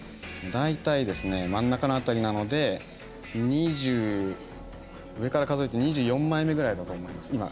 大体ですね真ん中の辺りなので２０上から数えて２４枚目ぐらいだと思います。